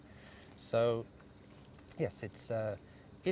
ada pertanyaan yang terjadi